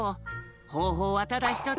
ほうほうはただひとつ。